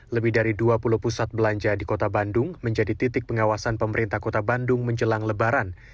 lebih dari dua puluh pusat belanja di kota bandung menjadi titik pengawasan pemerintah kota bandung menjelang lebaran